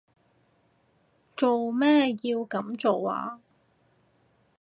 做咩要噉做啊？